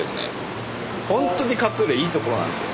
ほんとに勝浦いいとこなんですよ。